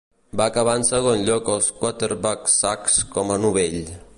Va acabar en segon lloc als quarterback sacks com a novell.